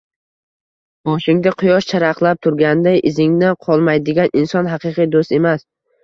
Boshingda quyosh charaqlab turganida izingdan qolmaydigan inson haqiqiy do'st emas.